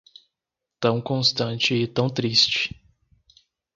tão constante e tão triste